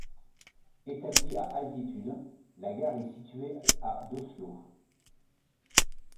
Établie à d'altitude, la gare est située à d'Oslo.